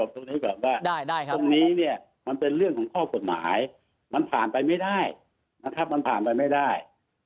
ตรงนี้มันเป็นเรื่องของข้อกฎหมายมันผ่านไปไม่ได้